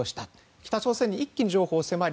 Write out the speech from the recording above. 北朝鮮に一気に譲歩を迫り